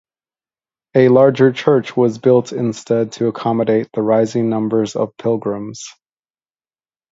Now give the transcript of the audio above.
A larger church was built instead to accommodate the rising numbers of pilgrims.